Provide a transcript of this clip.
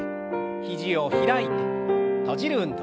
肘を開いて閉じる運動。